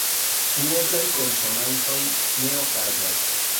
Duoblaj konsonantoj ne okazas.